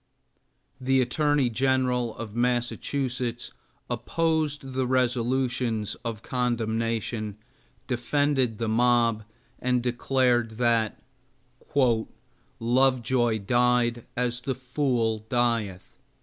The Attorney General of Massachusetts opposed the resolutions of condemnation, defended the mob, and declared that "Lovejoy died as the fool dieth."